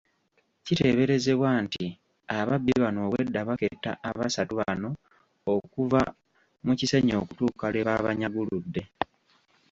Kiteeberezebwa nti ababbi bano obwedda baketta abasatu bano okuva mu Kisenyi okutuuka lwe baabanyaguludde.